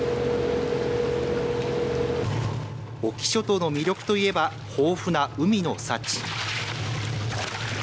隠岐諸島の魅力といえば豊富な海の幸。